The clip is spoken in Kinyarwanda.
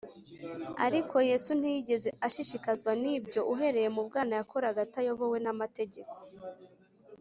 , Ariko Yesu ntiyigeze ashishikazwa n’ibyo. Uhereye mu bwana yakoraga atayobowe n’amategeko